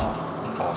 ああ